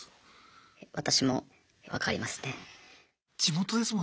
私も分かりますね。